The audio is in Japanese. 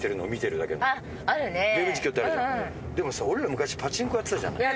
でもさ俺ら昔パチンコやってたじゃない。